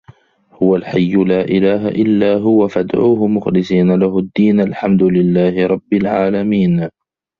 هُوَ الحَيُّ لا إِلهَ إِلّا هُوَ فَادعوهُ مُخلِصينَ لَهُ الدّينَ الحَمدُ لِلَّهِ رَبِّ العالَمينَ